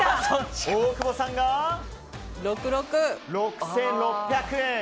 大久保さんが６６００円。